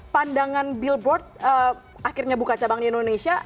pandangan billboard akhirnya buka cabang di indonesia